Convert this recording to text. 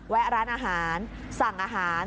แวะร้านอาหารสั่งอาหาร